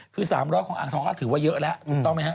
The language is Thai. คือ๓๐๐ของอังท้องเค้าถือว่าเยอะแล้วถูกต้องไหมครับ